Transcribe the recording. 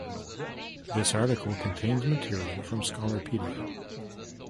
This article contains material from Scholarpedia.